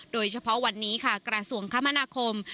โดยเฉพาะวันนี้ค่ะกระทรวงคมนาคม